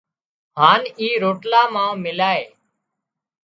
هانَ اِي روٽلا مان ملائي